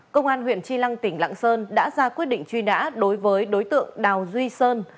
công an huyện tri lăng tỉnh lạng sơn đã ra quyết định truy nã đối với đối tượng đào duy sơn